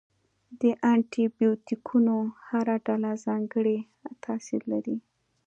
د انټي بیوټیکونو هره ډله ځانګړی تاثیر لري.